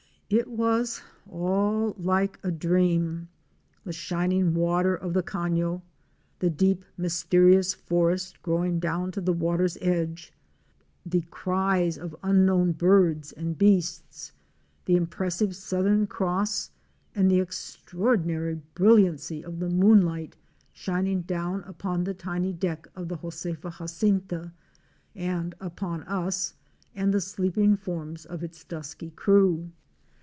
It was all like a dream; the shining water of the cafio, the deep, mysterious forest growing down to the water's edge, the A WOMAN'S EXPERIENCES IN VENEZUELA. 85 cries of unknown birds and beasts, the impressive southern cross and the extraordinary brilliancy of the moonlight shin ing down upon the tiny deck of the 'Josefa Jacinta," and upon us and the sleeping forms of its dusky crew.